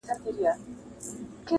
ایله پوه د خپل وزیر په مُدعا سو!.